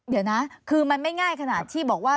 เดี๋ยวนะคือมันไม่ง่ายขนาดที่บอกว่า